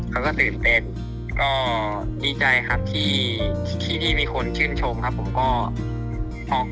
เขาก็ตื่นเต้นก็ดีใจครับที่นี่มีคนชื่นชมครับผมก็มอง